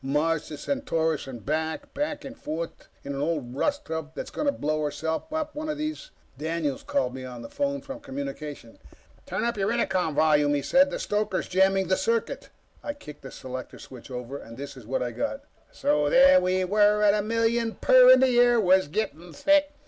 Mars to Centaurus and back, back and forth, in an old rust tub that's going to blow herself up one of these "Daniels called me on the phone from Communications. "Turn up your Intercom volume," he said. "The stoker's jamming the circuit." I kicked the selector switch over, and this is what I got: "_ so there we were at a million per, and the air was gettin' thick.